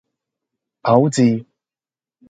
牛治